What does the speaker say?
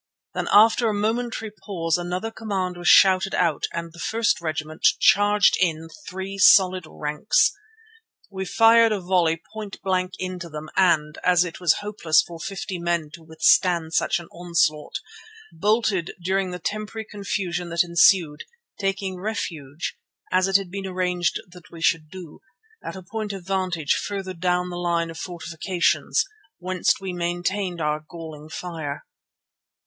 Then, after a momentary pause another command was shouted out and the first regiment charged in three solid ranks. We fired a volley point blank into them and, as it was hopeless for fifty men to withstand such an onslaught, bolted during the temporary confusion that ensued, taking refuge, as it had been arranged that we should do, at a point of vantage farther down the line of fortifications, whence we maintained our galling fire.